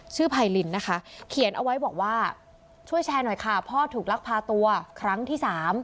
ไพรินนะคะเขียนเอาไว้บอกว่าช่วยแชร์หน่อยค่ะพ่อถูกลักพาตัวครั้งที่๓